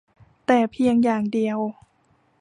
แต่เพียงอย่างเดียว